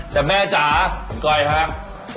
แต่แม่จ๋าบางกรายค่ะ